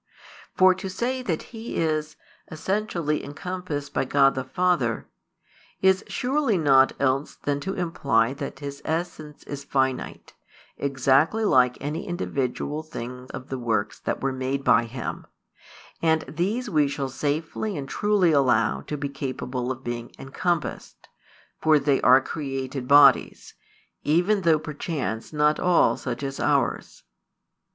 For to say that He |270 is "essentially encompassed by God the Father" is surely nought else than to imply that His essence is finite, exactly like any individual thing of the works that were made by Him: and these we shall safely and truly allow to be capable of being "encompassed ": for they are [created] bodies, even though perchance not all such as ours.